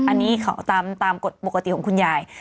อันนี้เขาตามกฎปกติของคุณยาย